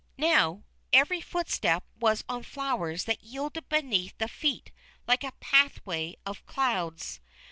And now every footstep was on flowers that yielded beneath the feet like a pathway of clouds.